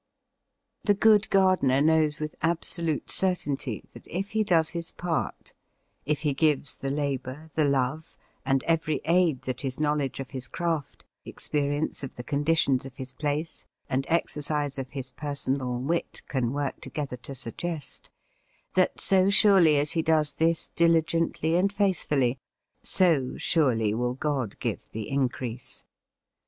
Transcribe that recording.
The good gardener knows with absolute certainty that if he does his part, if he gives the labour, the love, and every aid that his knowledge of his craft, experience of the conditions of his place, and exercise of his personal wit can work together to suggest, that so surely as he does this diligently and faithfully, so surely will God give the increase.